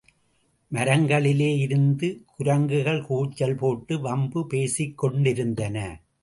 மரங்களிலே இருந்த குரங்குகள் கூச்சல் போட்டு வம்பு பேசிக்கொண்டிருந்தன.